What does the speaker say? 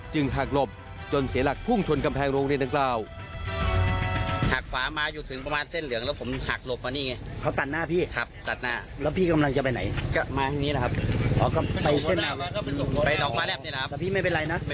จึงหักหลบจนเสียหลักภูมิชนกำแพงโรงเรียนตั้งคราว